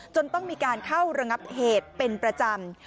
จนต้องมีการเข้าระงับเหตุเป็นประจำ